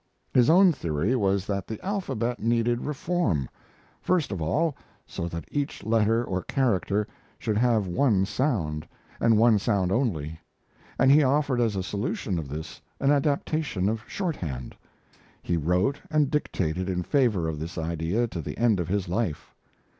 His own theory was that the alphabet needed reform, first of all, so that each letter or character should have one sound, and one sound only; and he offered as a solution of this an adaptation of shorthand. He wrote and dictated in favor of this idea to the end of his life.